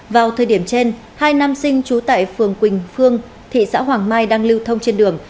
vào thời điểm trên hai nam sinh trú tại phường quỳnh phương thị xã hoàng mai đang lưu thông trên đường